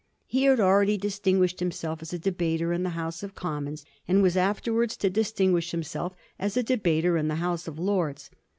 He had already distinguished himself as a debater in the House of Commons, and was afterwards to distinguish himself as a debater in the House of Lords.